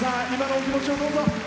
お気持ちをどうぞ。